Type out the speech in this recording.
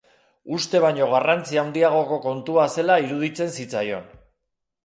Uste baino garrantzi handiagoko kontua zela iruditzen zitzaion.